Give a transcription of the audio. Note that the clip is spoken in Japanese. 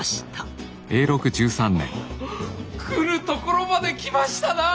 来るところまで来ましたなあ！